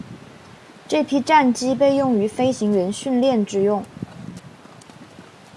这批战机被用于飞行员训练之用。